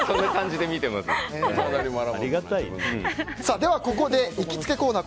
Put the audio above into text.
では、ここで行きつけコーナー